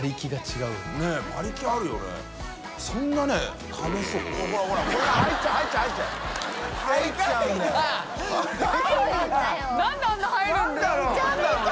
なんであんなに入るんだろう？